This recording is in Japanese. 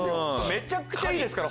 めちゃくちゃいいです。